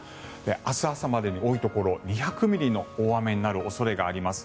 明日朝までに多いところで２００ミリの大雨になる恐れがあります。